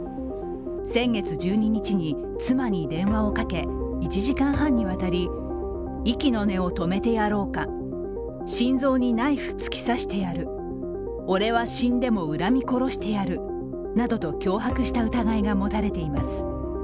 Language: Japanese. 先月１２日に妻に電話をかけ１時間半にわたり息の根を止めてやろうか心臓にナイフ突き刺してやる俺は死んでも恨み殺してやるなどと脅迫した疑いが持たれています。